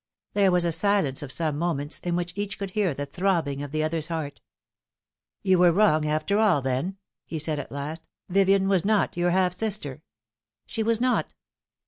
There was a silence of some moments, in which each could hear the throbbing of the other's heart. " You were wrong after all, then," he said at last ;" Vivien was not your half sister ?"'' She was not."